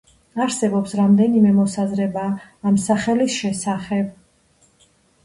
არსებობს რამდენიმე მოსაზრება ამ სახელის შესახებ.